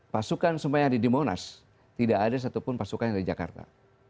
pasukan semua yang ada di monas tidak ada satupun pasukan yang dari jakarta